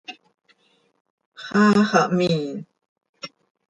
¡Xaa xah mhiin!